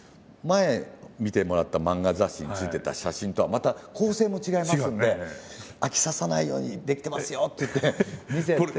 前見てもらった漫画雑誌についてた写真とはまた構成も違いますんで「飽きさせないように出来てますよ」って言って見せて。